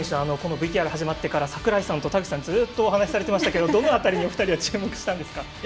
ＶＴＲ始まってから櫻井さんと田口さんずっとお話されていましたけどどの辺りにお二人は注目したんですか？